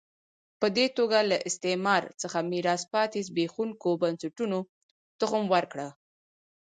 په دې توګه له استعمار څخه میراث پاتې زبېښونکو بنسټونو تخم وکره.